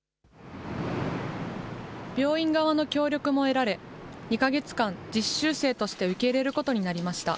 病院側の協力も得られ、２か月間、実習生として受け入れることになりました。